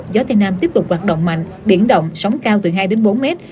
gió tây nam tiếp tục hoạt động mạnh biển động sóng cao từ hai đến bốn mét